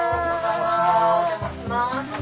お邪魔します。